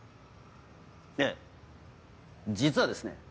ええ実はですね